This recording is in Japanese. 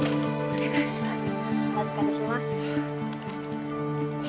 お願いします！